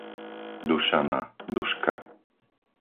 Dušana, Duška